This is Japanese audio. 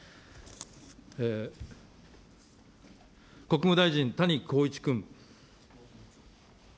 国務大臣、谷公一君。